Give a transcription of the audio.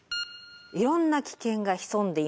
いろんな危険が潜んでいます。